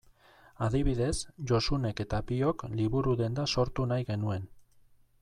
Adibidez, Josunek eta biok liburu-denda sortu nahi genuen.